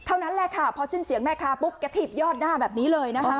เท่านั้นแหละค่ะพอสิ้นเสียงแม่ค้าปุ๊บกระถีบยอดหน้าแบบนี้เลยนะคะ